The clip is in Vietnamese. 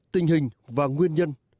tình hình và nguyên nhân